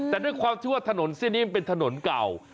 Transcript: แต่ด้วยความที่ว่าถนนเส้นนี้มันเป็นถนนเก่า